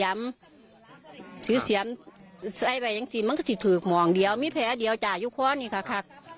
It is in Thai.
มันเกิดว่า